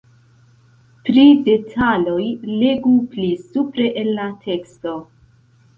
Pri detaloj legu pli supre en la teksto.